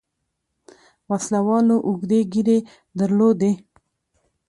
وسله والو اوږدې ږيرې درلودې.